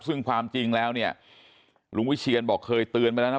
ซึ่งความจริงแล้วเนี่ยลุงวิเชียนบอกเคยเตือนไปแล้วนะ